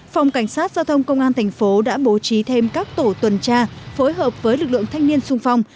phòng cảnh sát giao thông công an thành phố đã bố trí thêm các tổ tuần tra phối hợp với lực lượng thanh niên sung phong